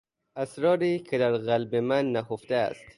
اسراری که در قلب من نهفته است